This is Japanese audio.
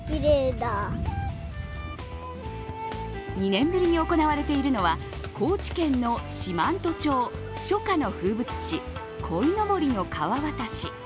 ２年ぶりに行われているのは、高知県の四万十町、初夏の風物詩、こいのぼりの川渡し。